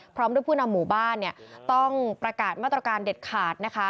พร้อมด้วยผู้นำหมู่บ้านเนี่ยต้องประกาศมาตรการเด็ดขาดนะคะ